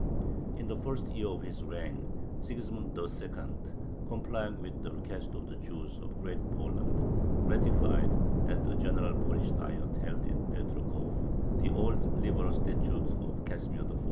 In the first year of his reign Sigismund II., complying with the request of the Jews of Great Poland, ratified, at the general Polish Diet held at Piotrkov, the old liberal statute of Casimir IV.